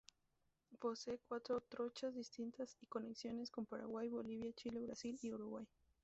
Posee cuatro trochas distintas y conexiones con Paraguay, Bolivia, Chile, Brasil y Uruguay.